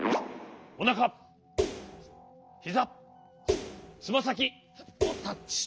おなかひざつまさきをタッチ。